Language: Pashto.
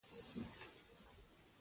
احمد په مجلس کې خول وتړله.